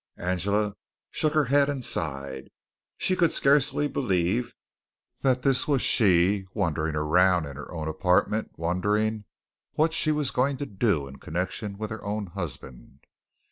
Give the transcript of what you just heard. Angela shook her head and sighed. She could scarcely believe that this was she wandering around in her own apartment wondering what she was going to do in connection with her own husband.